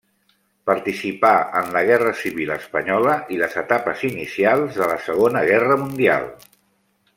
Participà en la Guerra Civil espanyola i les etapes inicials de la Segona Guerra Mundial.